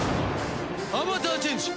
アバターチェンジ。